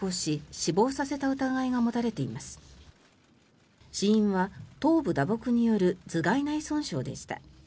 死因は頭部打撲による頭がい内損傷でした。